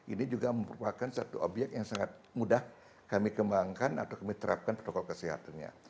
ini juga merupakan satu obyek yang sangat mudah kami kembangkan atau kami terapkan protokol kesehatannya